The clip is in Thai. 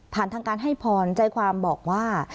ทางการให้พรใจความบอกว่า